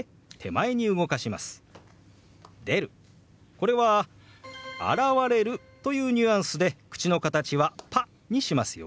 これは「現れる」というニュアンスで口の形は「パ」にしますよ。